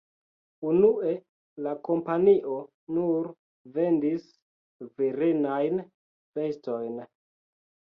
Unue la kompanio nur vendis virinajn vestojn.